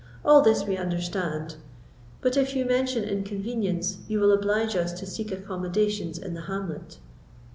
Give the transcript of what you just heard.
All this we understand; but if you mention inconvenience, you will oblige us to seek accommodations in the hamlet."